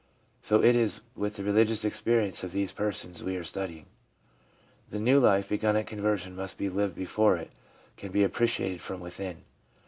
So it is with the religious experience of these persons we are studying. The new life begun at conversion must be lived before it can be appreciated from within.